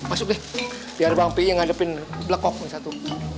cet masuk deh biar bang pi ngadepin belakok ini satu